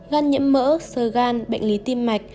gan nhiễm mỡ sơ gan bệnh lý tim mạch